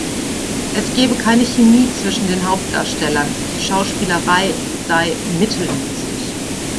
Es gebe keine Chemie zwischen den Hauptdarstellern; die Schauspielerei sei „mittelmäßig“.